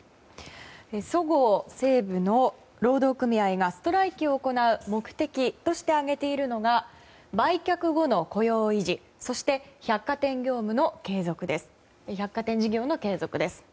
そごう・西武の労働組合がストライキを行う目的として挙げているのが売却後の雇用維持そして百貨店事業の継続です。